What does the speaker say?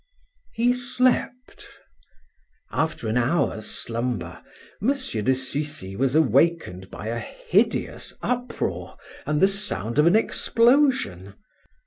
He slept. After an hour's slumber M. de Sucy was awakened by a hideous uproar and the sound of an explosion.